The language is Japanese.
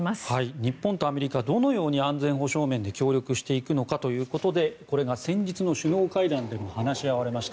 日本とアメリカはどのように安全保障面で協力していくのかということでこれが先日の首脳会談でも話し合われました。